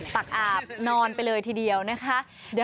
ปากอาบนอนไปเลยทีเดียวนะคะ